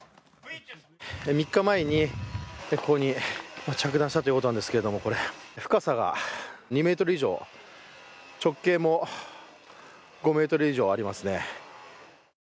３日前にここに着弾したということなんですけれども深さが２ｍ以上、直径も５ｍ以上ありますね。